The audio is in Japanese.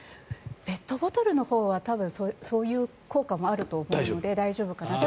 ペットボトルのほうはそういう効果もあると思うので大丈夫かなと。